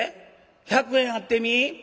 １００円あってみぃ。